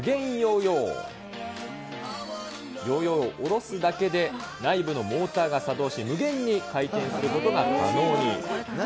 ヨーヨーを下ろすだけで、内部のモーターが作動し、無限に回転することが可能に。